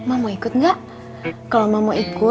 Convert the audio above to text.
ada apa pak